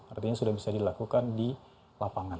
artinya sudah bisa dilakukan di lapangan